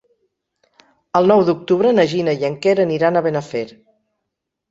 El nou d'octubre na Gina i en Quer aniran a Benafer.